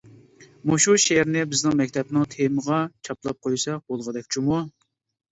! مۇشۇ شېئىرنى بىزنىڭ مەكتەپنىڭ تېمىغا چاپلاپ قويساق بولغۇدەك جۇمۇ!